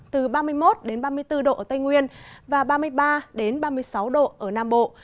từ ba mươi một đến ba mươi bốn độ ở tây nguyên và ba mươi ba ba mươi sáu độ ở nam bộ